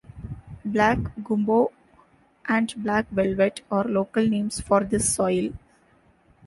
"Black Gumbo" and "Black Velvet" are local names for this soil.